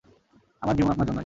আমার জীবন আপনার জন্যই!